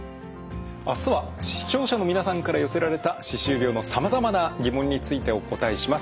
明日は視聴者の皆さんから寄せられた歯周病のさまざまな疑問についてお答えします。